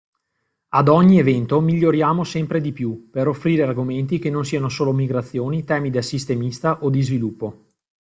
Ad ogni evento miglioriamo sempre di più per offrire argomenti che non siano solo migrazioni, temi da sistemista o di sviluppo.